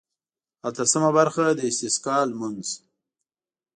اتلسمه برخه د استسقا لمونځ.